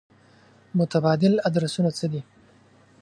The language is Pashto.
متبادل ادرسونه څه دي.